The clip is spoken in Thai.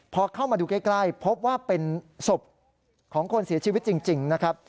พอเข้ามาดูใกล้พบว่าเป็นศพของคนเสียชีวิตจริงนะครับ